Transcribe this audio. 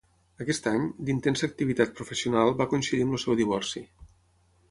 Aquest any, d'intensa activitat professional va coincidir amb el seu divorci.